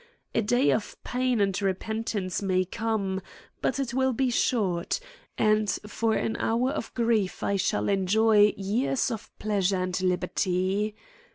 A day of pain and re ' pentance may come, but it will be short ; and * for an hour of grief I shall enjoy years of plea * sure and liberty.